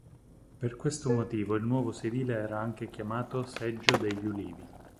Per questo motivo il nuovo sedile era anche chiamato "Seggio degli Ulivi".